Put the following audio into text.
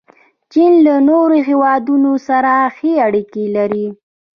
چین له نورو هیوادونو سره ښې اړیکې لري.